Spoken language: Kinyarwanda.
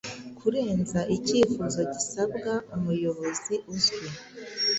Kurenza icyifuzo gisabwa umuyobozi uzwi